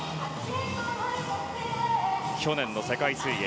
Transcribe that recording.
去年の世界水泳。